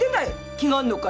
気があるのかい？